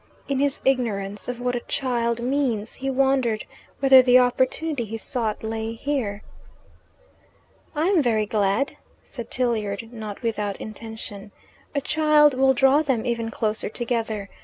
In his ignorance of what a child means he wondered whether the opportunity he sought lay here. "I am very glad," said Tilliard, not without intention. "A child will draw them even closer together.